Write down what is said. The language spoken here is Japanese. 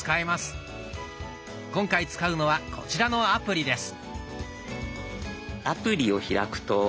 今回使うのはこちらのアプリです。